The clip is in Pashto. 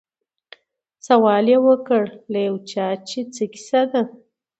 سوال یې وکړ له یو چا چي څه کیسه ده